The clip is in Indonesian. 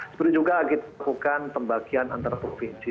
sebenarnya juga kita lakukan pembagian antara provinsi